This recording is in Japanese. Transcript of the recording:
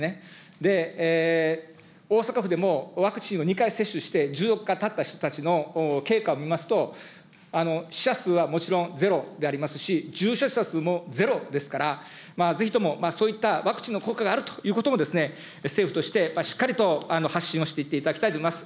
で、大阪府でもワクチンを２回接種して１４日たった人たちの経過を見ますと、死者数はもちろんゼロでありますし、重症者数もゼロですから、ぜひとも、そういったワクチンの効果があるということもですね、政府としてしっかりと発信をしていっていただきたいと思います。